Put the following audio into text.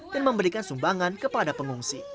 memberikan sumbangan kepada pengungsi